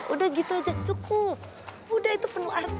udah gitu aja cukup udah itu penuh arti